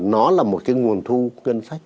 nó là một cái nguồn thu ngân sách